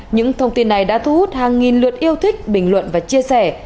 những thông tin này đã thu hút hàng nghìn lượt yêu thích bình luận và chia sẻ